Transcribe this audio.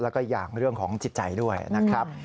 แล้วก็อย่างเรื่องของจิตใจด้วยนะครับ